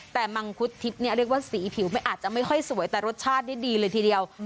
แต่มังคุดทิพย์เนี่ยเรียกว่าสีผิวไม่อาจจะไม่ค่อยสวยแต่รสชาตินี่ดีเลยทีเดียว